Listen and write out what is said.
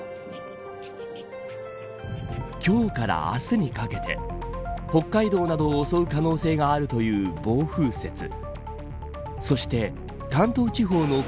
今日から明日にかけて北海道などを襲う可能性があるという暴風雪。